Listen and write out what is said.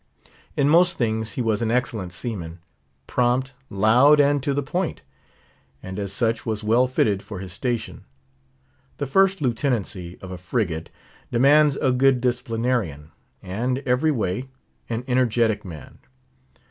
In most things he was an excellent seaman; prompt, loud, and to the point; and as such was well fitted for his station. The First Lieutenancy of a frigate demands a good disciplinarian, and, every way, an energetic man.